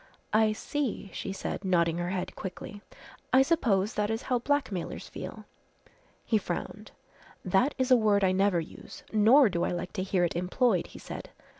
"I see," she said, nodding her head quickly. "I suppose that is how blackmailers feel." He frowned. "That is a word I never use, nor do I like to hear it employed," he said.